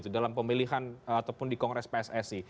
dalam pemilihan ataupun di kongres pssi